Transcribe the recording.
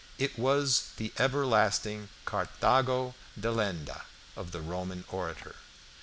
It was the everlasting "Carthago delenda" of the Roman orator.